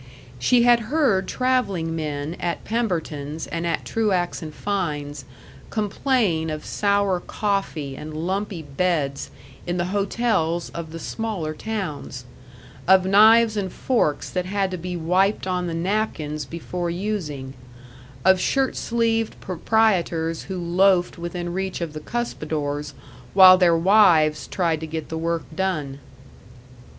She had heard traveling men at Pemberton's and at Truax & Fein's complain of sour coffee and lumpy beds in the hotels of the smaller towns; of knives and forks that had to be wiped on the napkins before using; of shirt sleeved proprietors who loafed within reach of the cuspidors while their wives tried to get the work done.